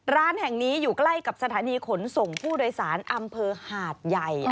ร้านแห่งนี้อยู่ใกล้กับสถานีขนส่งผู้โดยสารอำเภอหาดใหญ่